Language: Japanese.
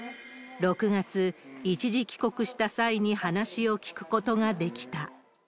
６月、一時帰国した際に話を聞くことができた。